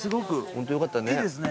ホントよかったね。